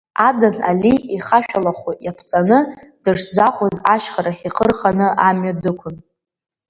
Адан Али ихашәалахәы иаԥцаны, дышзахәоз ашьхарахь ихы рханы амҩа дықәын.